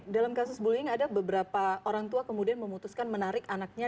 dalam kasus bullying ada beberapa orang tua kemudian memutuskan menarik anaknya